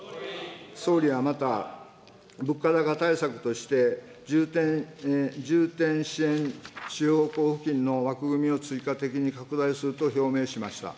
総理はまた、物価高対策として、重点支援地方交付金の枠組みを追加的に拡大すると表明しました。